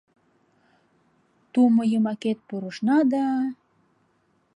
Ту мо йымакет пурышна да